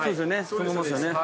そのままですよね。